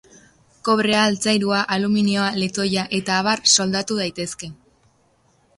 Kobrea, altzairua, aluminioa, letoia eta abar soldatu daitezke.